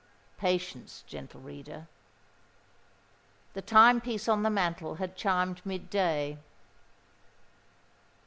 Patience, gentle reader. The time piece on the mantel had chimed mid day.